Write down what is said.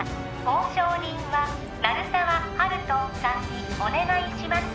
☎交渉人は鳴沢温人さんにお願いします